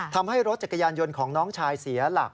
ทำให้รถจักรยานยนต์ของน้องชายเสียหลัก